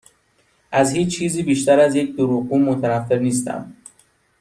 از هیچ چیزی بیشتر از یک دروغگو متنفر نیستم.